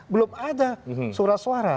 belum ada surat suara